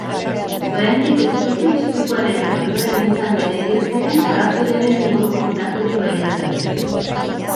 Oraindik ez dute istripuaren eta ondoren izan den heriotzaren arrazoiaren inguruko daturik baieztatu.